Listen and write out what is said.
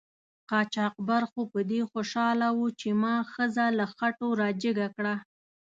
قاچاقبر خو په دې خوشحاله و چې ما ښځه له خټو را جګه کړه.